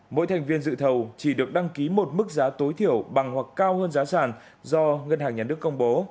mỗi thành viên dự thầu chỉ được đăng ký một mức giá tối thiểu bằng hoặc cao hơn giá sản do ngân hàng nhà nước công bố